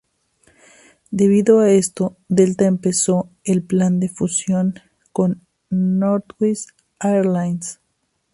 Debido a esto Delta empezó el plan de fusión con Northwest Airlines.